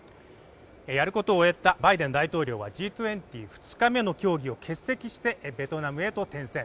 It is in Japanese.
やることを終えたバイデン大統領はＧ２０・２日目の協議を欠席してベトナムへと転戦。